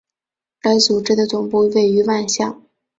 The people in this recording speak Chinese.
该组织的总部位于万象。